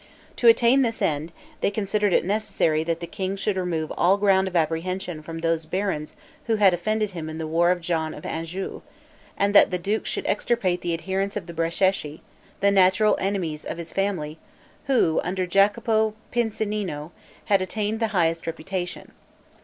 To attain this end, they considered it necessary that the king should remove all ground of apprehension from those barons who had offended him in the war of John of Anjou, and that the duke should extirpate the adherents of the Bracceschi, the natural enemies of his family, who, under Jacopo Piccinino, had attained the highest reputation.